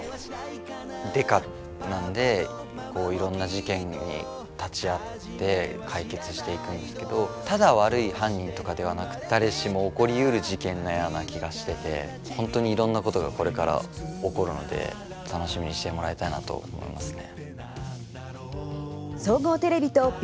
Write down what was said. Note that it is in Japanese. デカなのでいろんな事件に立ち合って解決していくんですけどただ悪い犯人とかではなくて誰しも起こりうる事件のような気がしてて本当にいろんなことがこれから起こるので楽しみにしてもらいたいなと思いますね。